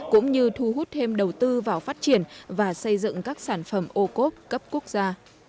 cũng như thu hút thêm đầu tư vào phát triển và xây dựng các sản phẩm ô cốp cấp quốc gia